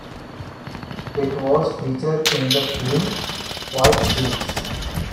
It was featured in the film "White Chicks".